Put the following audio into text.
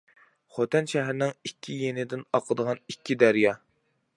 خوتەن شەھىرىنىڭ ئىككى يېنىدىن ئاقىدىغان ئىككى دەريا.